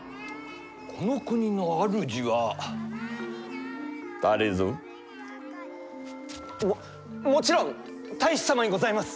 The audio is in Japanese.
この国の主は誰ぞ？ももちろん太守様にございます！